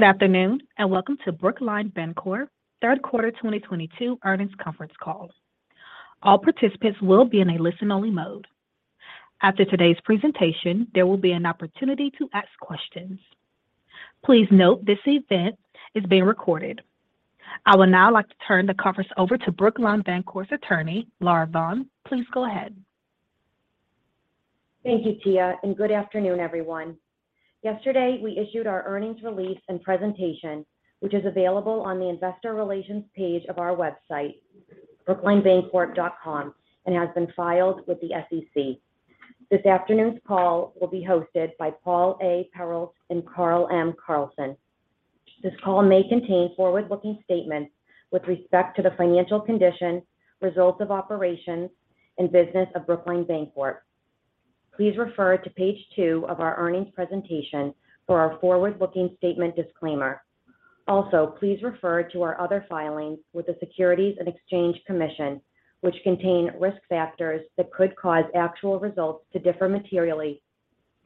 Good afternoon, and welcome to Brookline Bancorp third quarter 2022 earnings conference call. All participants will be in a listen-only mode. After today's presentation, there will be an opportunity to ask questions. Please note this event is being recorded. I would now like to turn the conference over to Brookline Bancorp's Attorney, Laura Vaughn. Please go ahead. Thank you, Alexis, and good afternoon, everyone. Yesterday, we issued our earnings release and presentation, which is available on the investor relations page of our website, brooklinebancorp.com, and has been filed with the SEC. This afternoon's call will be hosted by Paul A. Perrault and Carl M. Carlson. This call may contain forward-looking statements with respect to the financial condition, results of operations and business of Brookline Bancorp. Please refer to page two of our earnings presentation for our forward-looking statement disclaimer. Also, please refer to our other filings with the Securities and Exchange Commission, which contain risk factors that could cause actual results to differ materially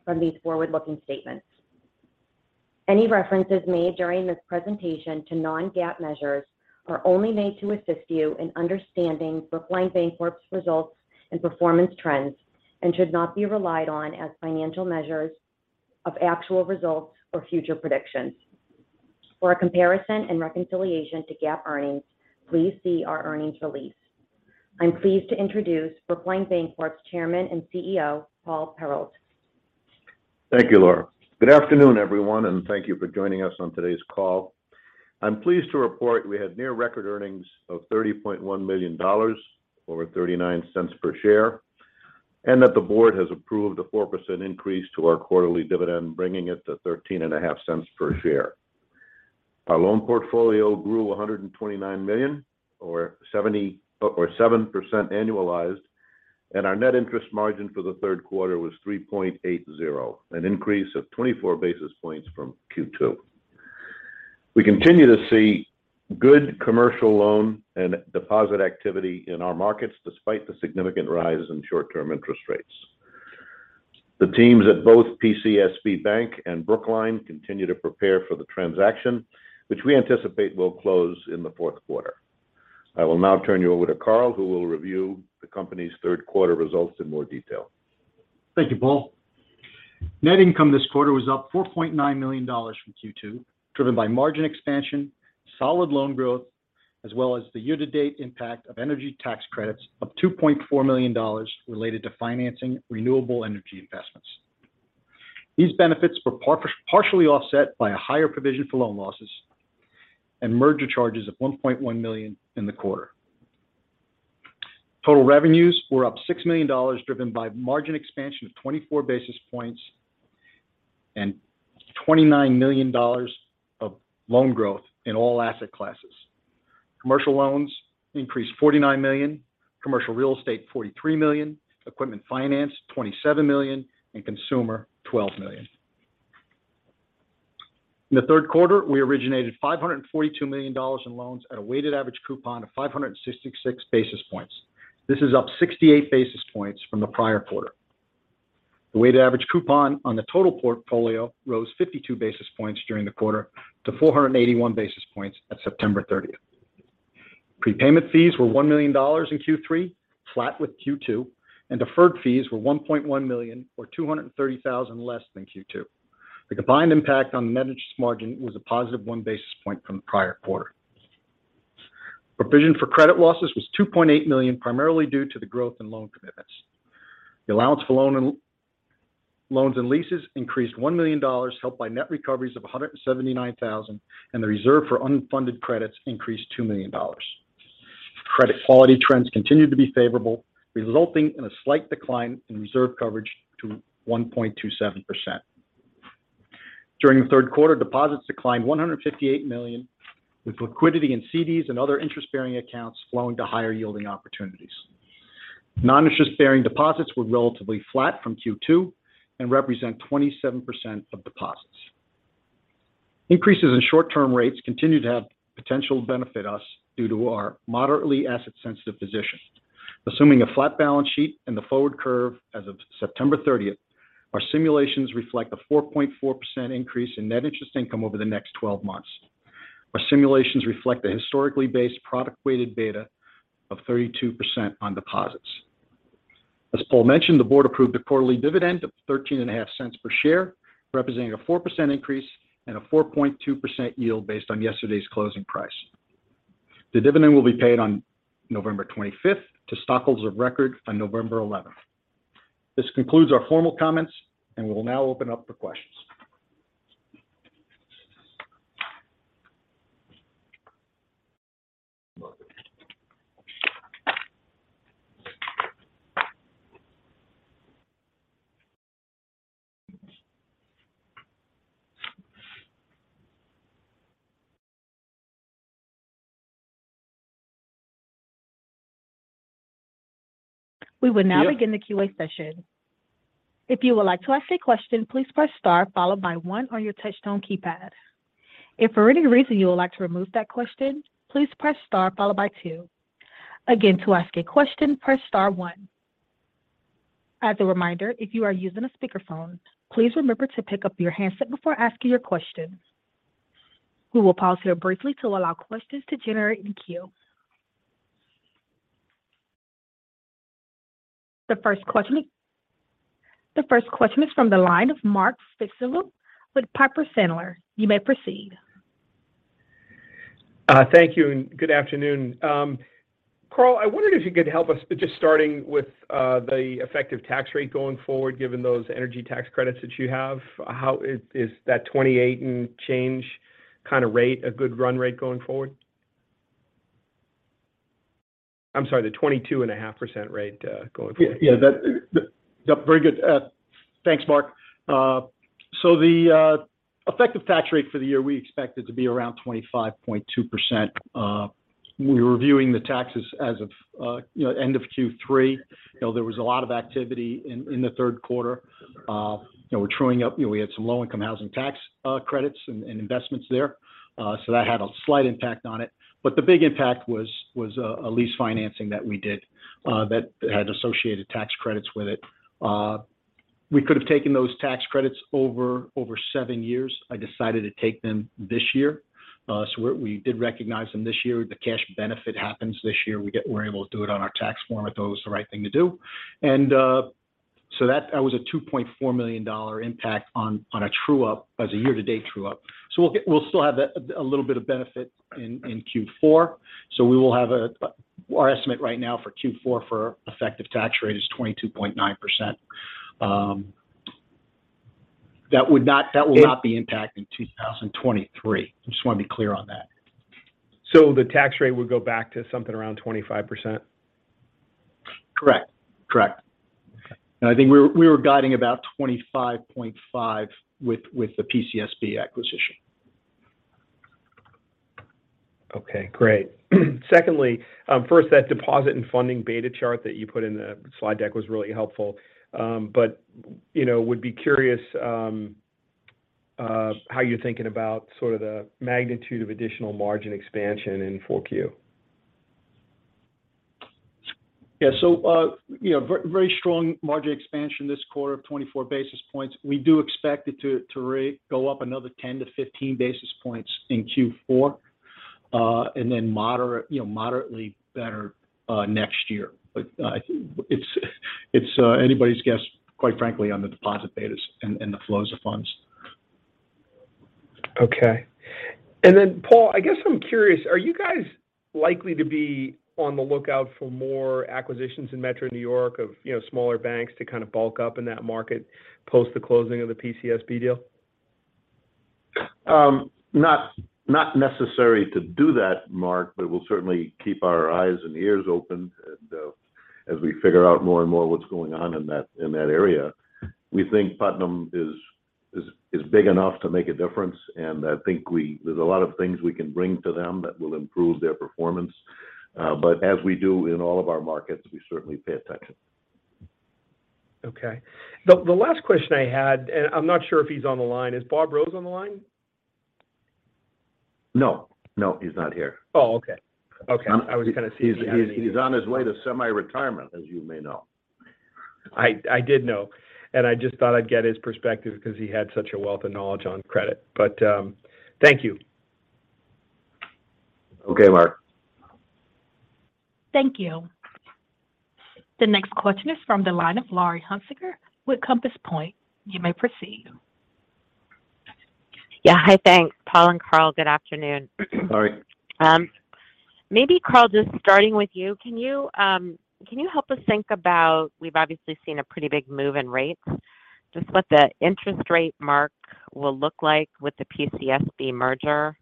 from these forward-looking statements. Any references made during this presentation to Non-GAAP measures are only made to assist you in understanding Brookline Bancorp's results and performance trends and should not be relied on as financial measures of actual results or future predictions. For a comparison and reconciliation to GAAP earnings, please see our earnings release. I'm pleased to introduce Brookline Bancorp's Chairman and CEO, Paul Perrault. Thank you, Laura. Good afternoon, everyone, and thank you for joining us on today's call. I'm pleased to report we had near record earnings of $30.1 million or $0.39 per share, and that the board has approved a 4% increase to our quarterly dividend, bringing it to $0.135 per share. Our loan portfolio grew $129 million or 7% annualized, and our net interest margin for the third quarter was 3.80, an increase of 24 basis points from Q2. We continue to see good commercial loan and deposit activity in our markets despite the significant rise in short-term interest rates. The teams at both PCSB Bank and Brookline continue to prepare for the transaction, which we anticipate will close in the fourth quarter. I will now turn you over to Carl, who will review the company's third quarter results in more detail. Thank you, Paul. Net income this quarter was up $4.9 million from Q2, driven by margin expansion, solid loan growth, as well as the year-to-date impact of energy tax credits of $2.4 million related to financing renewable energy investments. These benefits were partially offset by a higher provision for loan losses and merger charges of $1.1 million in the quarter. Total revenues were up $6 million, driven by margin expansion of 24 basis points and $29 million of loan growth in all asset classes. Commercial loans increased $49 million, commercial real estate $43 million, equipment finance $27 million, and consumer $12 million. In the third quarter, we originated $542 million in loans at a weighted average coupon of 566 basis points. This is up 68 basis points from the prior quarter. The weighted average coupon on the total portfolio rose 52 basis points during the quarter to 481 basis points at September 30. Prepayment fees were $1 million in Q3, flat with Q2, and deferred fees were $1.1 million or $230,000 less than Q2. The combined impact on net interest margin was a positive 1 basis point from the prior quarter. Provision for credit losses was $2.8 million, primarily due to the growth in loan commitments. The allowance for loans and leases increased $1 million, helped by net recoveries of $179,000, and the reserve for unfunded credits increased $2 million. Credit quality trends continued to be favorable, resulting in a slight decline in reserve coverage to 1.27%. During the third quarter, deposits declined $158 million, with liquidity in CDs and other interest-bearing accounts flowing to higher-yielding opportunities. Non-interest-bearing deposits were relatively flat from Q2 and represent 27% of deposits. Increases in short-term rates continue to have potential to benefit us due to our moderately asset-sensitive position. Assuming a flat balance sheet and the forward curve as of September 30th, our simulations reflect a 4.4% increase in net interest income over the next 12 months. Our simulations reflect the historically based product weighted beta of 32% on deposits. As Paul mentioned, the board approved a quarterly dividend of $0.135 per share, representing a 4% increase and a 4.2% yield based on yesterday's closing price. The dividend will be paid on November 25 to stockholders of record on November 11. This concludes our formal comments, and we will now open up for questions. We will now begin the QA session. If you would like to ask a question, please press star followed by one on your touchtone keypad. If for any reason you would like to remove that question, please press star followed by two. Again, to ask a question, press star one. As a reminder, if you are using a speakerphone, please remember to pick up your handset before asking your questions. We will pause here briefly to allow questions to generate in queue. The first question is from the line of Mark Fitzgibbon with Piper Sandler. You may proceed. Thank you and good afternoon. Carl, I wondered if you could help us by just starting with the effective tax rate going forward, given those energy tax credits that you have. How is that 28 and change kind of rate a good run rate going forward? I'm sorry, the 22.5% rate going forward. Yeah, yeah. That, yup, very good. Thanks, Mark. The effective tax rate for the year, we expect it to be around 25.2%. When we're reviewing the taxes as of, you know, end of Q3, you know, there was a lot of activity in the third quarter. You know, we're truing up. You know, we had some low-income housing tax credits and investments there. That had a slight impact on it. The big impact was a lease financing that we did that had associated tax credits with it. We could have taken those tax credits over seven years. I decided to take them this year. We did recognize them this year. The cash benefit happens this year. We're able to do it on our tax form. I thought it was the right thing to do. That was a $2.4 million impact on a true up as a year-to-date true up. We'll still have a little bit of benefit in Q4. We will have. Our estimate right now for Q4 for effective tax rate is 22.9%. That would not. It- That will not be impacted in 2023. I just want to be clear on that. The tax rate would go back to something around 25%? Correct. Correct. Okay. I think we were guiding about $25.5 with the PCSB acquisition. Okay, great. First, that deposit and funding beta chart that you put in the slide deck was really helpful. You know, would be curious how you're thinking about sort of the magnitude of additional margin expansion in 4Q? Yeah. You know, very strong margin expansion this quarter of 24 basis points. We do expect it to go up another 10-15 basis points in Q4, and then moderate, you know, moderately better next year. It's anybody's guess, quite frankly, on the deposit betas and the flows of funds. Okay. Paul, I guess I'm curious, are you guys likely to be on the lookout for more acquisitions in Metro New York of, you know, smaller banks to kind of bulk up in that market post the closing of the PCSB deal? Not necessary to do that, Mark, but we'll certainly keep our eyes and ears open and as we figure out more and more what's going on in that area. We think Putnam is big enough to make a difference, and I think there's a lot of things we can bring to them that will improve their performance. As we do in all of our markets, we certainly pay attention. Okay. The last question I had, and I'm not sure if he's on the line. Is Bob Rose on the line? No, no, he's not here. Oh, okay. Okay. He- I was kind of seeing if he had any. He's on his way to semi-retirement, as you may know. I did know. I just thought I'd get his perspective because he had such a wealth of knowledge on credit. Thank you. Okay, Mark. Thank you. The next question is from the line of Laurie Hunsicker with Compass Point. You may proceed. Yeah. Hi, thanks. Paul and Carl, good afternoon. Sorry. Maybe Carl, just starting with you. Can you help us think about, we've obviously seen a pretty big move in rates. Just what the interest rate mark will look like with the PCSB merger?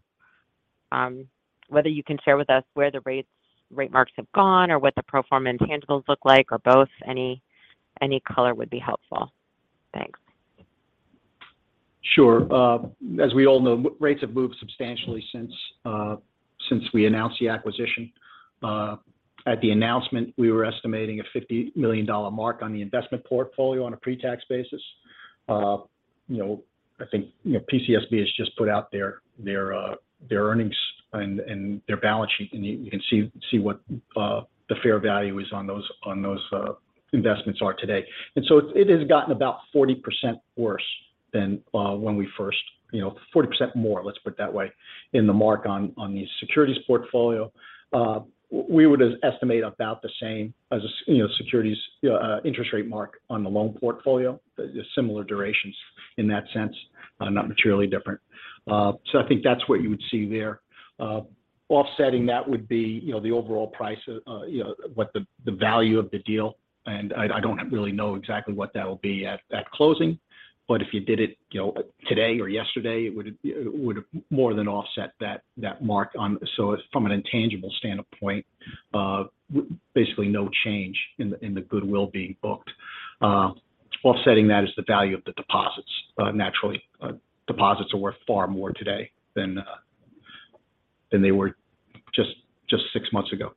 Whether you can share with us where the rate marks have gone or what the pro forma intangibles look like or both. Any color would be helpful. Thanks. Sure. As we all know, market rates have moved substantially since we announced the acquisition. At the announcement, we were estimating a $50 million mark on the investment portfolio on a pre-tax basis. You know, I think, you know, PCSB has just put out their earnings and their balance sheet, and you can see what the fair value is on those investments today. It has gotten about 40% worse than when we first know. Forty percent more, let's put it that way, in the mark on the securities portfolio. We would estimate about the same as, you know, securities interest rate mark on the loan portfolio. Similar durations in that sense, not materially different. I think that's what you would see there. Offsetting that would be, you know, the overall price, you know, what the value of the deal. I don't really know exactly what that will be at closing. If you did it, you know, today or yesterday, it would more than offset that mark. From an intangible standpoint, basically no change in the goodwill being booked. Offsetting that is the value of the deposits. Naturally, deposits are worth far more today than they were just six months ago.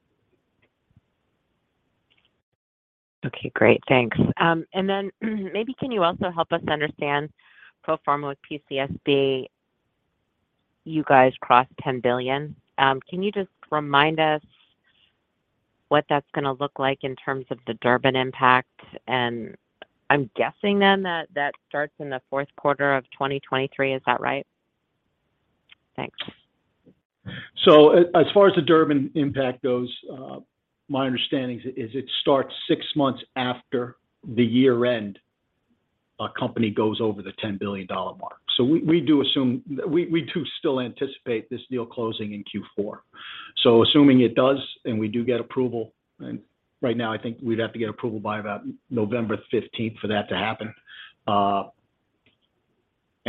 Okay, great. Thanks. Maybe can you also help us understand pro forma with PCSB. You guys crossed 10 billion. Can you just remind us what that's gonna look like in terms of the Durbin impact? I'm guessing then that starts in the fourth quarter of 2023. Is that right? Thanks. As far as the Durbin impact goes, my understanding is it starts six months after the year-end a company goes over the $10 billion mark. We do still anticipate this deal closing in Q4. Assuming it does, and we do get approval, and right now I think we'd have to get approval by about November 15 for that to happen, and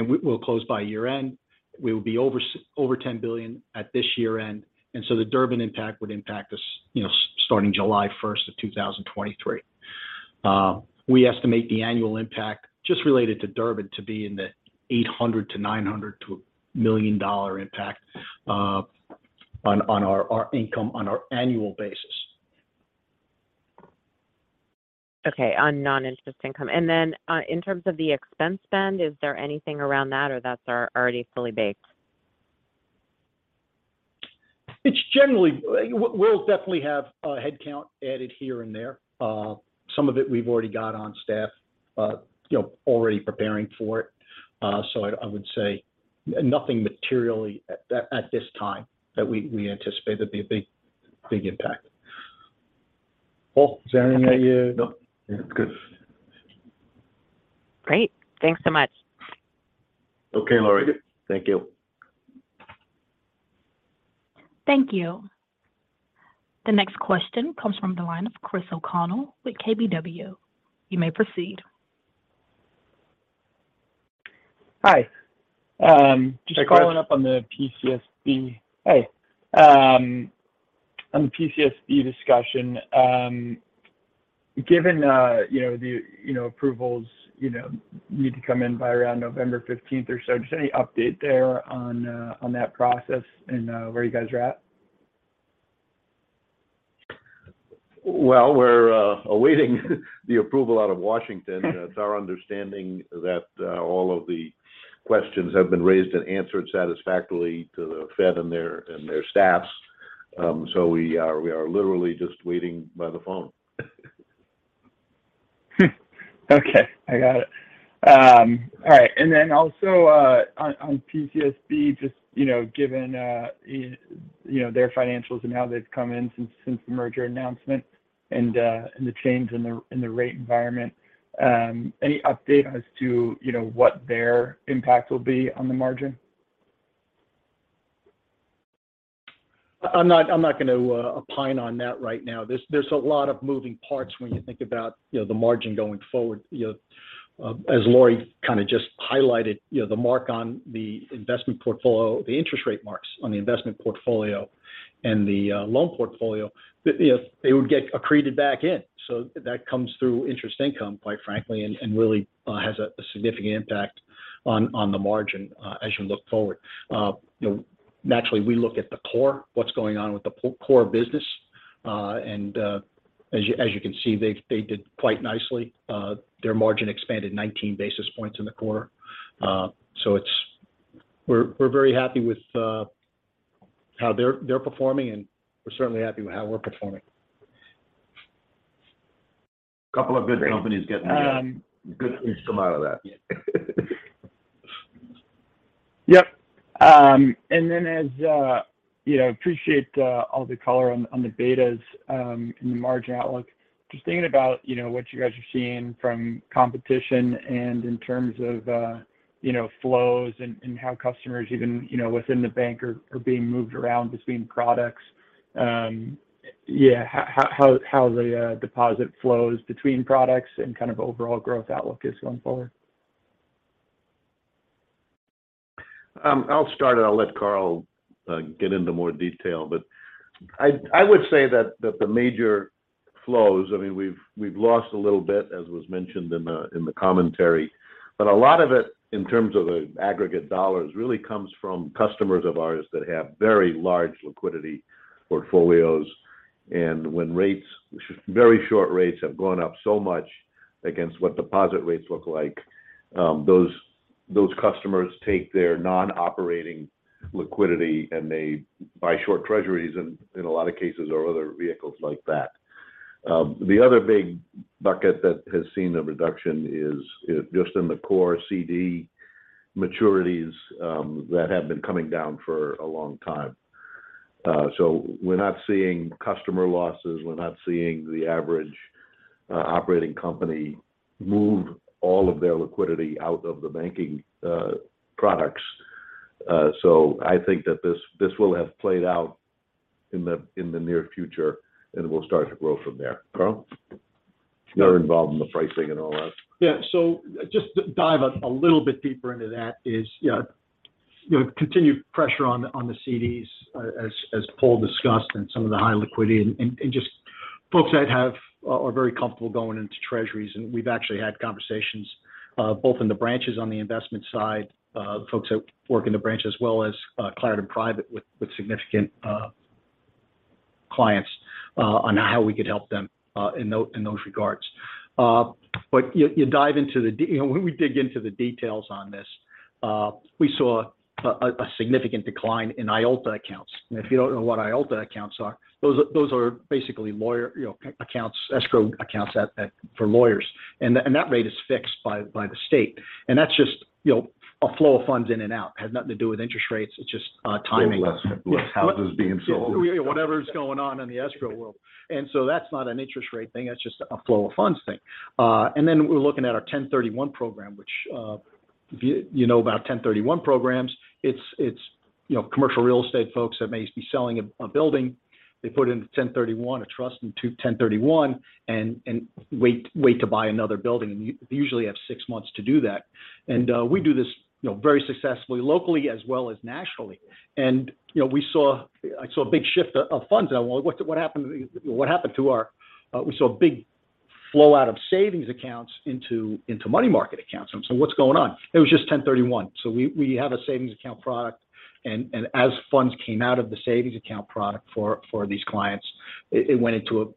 we will close by year-end. We will be over $10 billion at this year-end, and so the Durbin impact would impact us starting July 1st, 2023. We estimate the annual impact just related to Durbin to be in the $800,000-$900,000- $1 million impact on our income on an annual basis. Okay. On non-interest income. In terms of the expense spend, is there anything around that or that's already fully baked? We'll definitely have a headcount added here and there. Some of it we've already got on staff, you know, already preparing for it. I would say nothing materially at this time that we anticipate there'd be a big impact. Paul, is there anything that you- Nope. Yeah. Good. Great. Thanks so much. Okay, Laurie. Thank you. Thank you. The next question comes from the line of Christopher O'Connell with KBW. You may proceed. Hi. Hey, Chris. Just following up on the PCSB. Hey. On the PCSB discussion, given you know the you know approvals you know need to come in by around November fifteenth or so, just any update there on that process and where you guys are at? Well, we're awaiting the approval out of Washington. It's our understanding that all of the questions have been raised and answered satisfactorily to the Fed and their staffs. We are literally just waiting by the phone. Okay. I got it. All right. Also, on PCSB, just, you know, given, you know, their financials and how they've come in since the merger announcement and the change in the rate environment, any update as to, you know, what their impact will be on the margin? I'm not gonna opine on that right now. There's a lot of moving parts when you think about, you know, the margin going forward. You know, as Laurie kind of just highlighted, you know, the mark on the investment portfolio, the interest rate marks on the investment portfolio and the loan portfolio, they would get accreted back in. That comes through interest income, quite frankly, and really has a significant impact on the margin as you look forward. You know, naturally, we look at the core, what's going on with the core business. As you can see, they did quite nicely. Their margin expanded 19 basis points in the quarter. We're very happy with how they're performing, and we're certainly happy with how we're performing. A couple of good companies getting Um- Good income out of that. Yep. As you know, I appreciate all the color on the betas and the margin outlook. Just thinking about, you know, what you guys are seeing from competition and in terms of, you know, flows and how customers even, you know, within the bank are being moved around between products. Yeah, how the deposit flows between products and kind of overall growth outlook is going forward? I'll start, and I'll let Carl get into more detail. I would say that the major flows, I mean, we've lost a little bit, as was mentioned in the commentary. A lot of it, in terms of the aggregate dollars, really comes from customers of ours that have very large liquidity portfolios. When rates, very short rates have gone up so much against what deposit rates look like, those customers take their non-operating liquidity, and they buy short treasuries in a lot of cases or other vehicles like that. The other big bucket that has seen a reduction is just in the core CD maturities, that have been coming down for a long time. We're not seeing customer losses. We're not seeing the average operating company move all of their liquidity out of the banking products. I think that this will have played out in the near future, and we'll start to grow from there. Carl? You're involved in the pricing and all that. Just dive a little bit deeper into that. You know, continued pressure on the CDs as Paul discussed, and some of the high liquidity and just folks that are very comfortable going into treasuries. We've actually had conversations both in the branches on the investment side, folks that work in the branch as well as Clarendon Private with significant clients on how we could help them in those regards. You know, when we dig into the details on this, we saw a significant decline in IOLTA accounts. If you don't know what IOLTA accounts are, those are basically lawyer, you know, accounts, escrow accounts for lawyers. That rate is fixed by the state. That's just, you know, a flow of funds in and out. It has nothing to do with interest rates, it's just timing. Less houses being sold. Yeah. Whatever is going on in the escrow world. That's not an interest rate thing, that's just a flow of funds thing. We're looking at our 1031 program, which, if you know about 1031 programs, it's, you know, commercial real estate folks that may be selling a building. They put it into 1031, a trust into 1031, and wait to buy another building. You usually have six months to do that. We do this, you know, very successfully locally as well as nationally. You know, I saw a big shift of funds. I went, "What happened to our" We saw a big flow out of savings accounts into money market accounts. What's going on? It was just 1031. We have a savings account product and as funds came out of the savings account product for these clients, it went into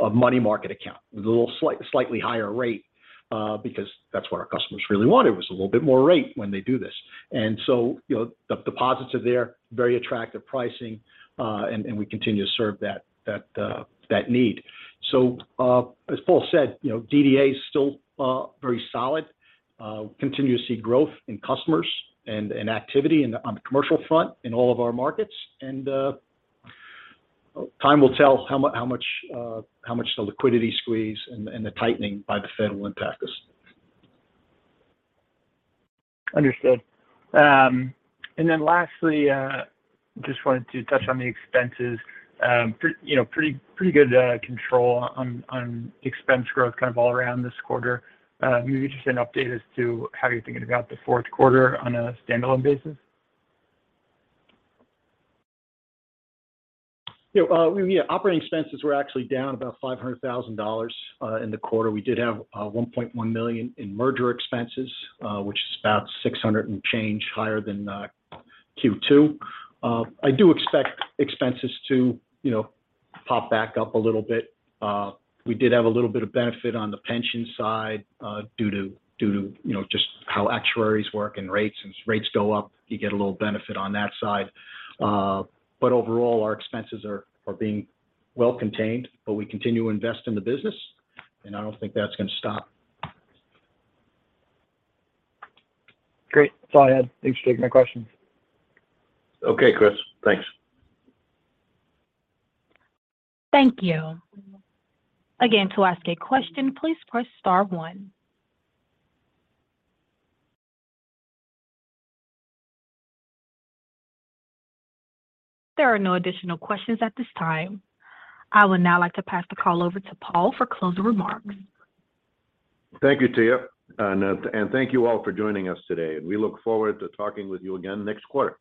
a money market account with a little slightly higher rate, because that's what our customers really wanted, was a little bit more rate when they do this. You know, the deposits are there, very attractive pricing, and we continue to serve that need. As Paul said, you know, DDA is still very solid. We continue to see growth in customers and in activity on the commercial front in all of our markets. Time will tell how much the liquidity squeeze and the tightening by the Fed will impact us. Understood. Lastly, just wanted to touch on the expenses. You know, pretty good control on expense growth kind of all around this quarter. Maybe just an update as to how you're thinking about the fourth quarter on a standalone basis. You know, yeah, operating expenses were actually down about $500,000 in the quarter. We did have $1.1 million in merger expenses, which is about $600 and change higher than Q2. I do expect expenses to, you know, pop back up a little bit. We did have a little bit of benefit on the pension side due to you know, just how actuaries work and rates. As rates go up, you get a little benefit on that side. But overall, our expenses are being well contained, but we continue to invest in the business, and I don't think that's gonna stop. Great. That's all I had. Thanks for taking my questions. Okay, Chris. Thanks. Thank you. Again, to ask a question, please press star one. There are no additional questions at this time. I would now like to pass the call over to Paul for closing remarks. Thank you, Alexis. Thank you all for joining us today. We look forward to talking with you again next quarter.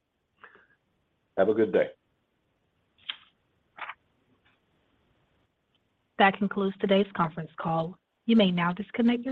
Have a good day. That concludes today's conference call. You may now disconnect your line.